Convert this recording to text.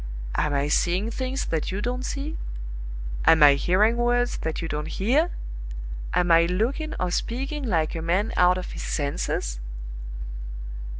Am I seeing things that you don't see? Am I hearing words that you don't hear? Am I looking or speaking like a man out of his senses?"